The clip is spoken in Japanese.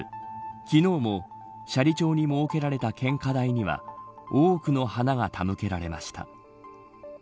昨日も斜里町に設けられた献花台には多くの花が手向けられました。